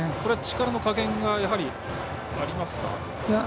力の加減がありますか？